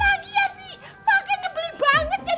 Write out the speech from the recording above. pake nyebelin banget jadi orang